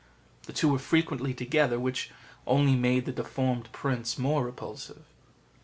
The two were frequently together, which only made the deformed prince more repulsive.